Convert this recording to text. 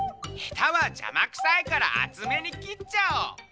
「ヘタはじゃまくさいからあつめにきっちゃおう」。